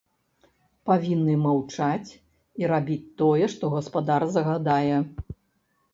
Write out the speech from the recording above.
Павінны маўчаць і рабіць тое, што гаспадар загадае.